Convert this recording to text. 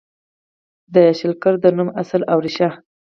د شلګر د نوم اصل او ریښه: